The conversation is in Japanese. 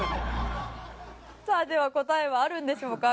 では答えはあるんでしょうか？